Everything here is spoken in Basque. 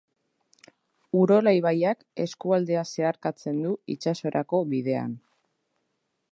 Urola ibaiak eskualdea zeharkatzen du itsasorako bidean.